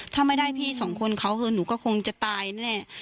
ถ้าไม่ได้พี่สองคนเขาคือหนูก็คงจะตายแน่